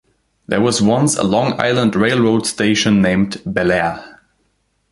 There was once a Long Island Rail Road station named Bellaire.